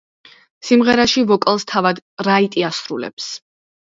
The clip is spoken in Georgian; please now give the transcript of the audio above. სიმღერაში ვოკალს თავად რაიტი ასრულებს.